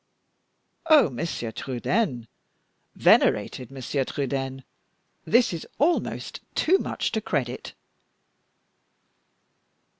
Oh, Monsieur Trudaine, venerated Monsieur Trudaine, this is almost too much to credit!"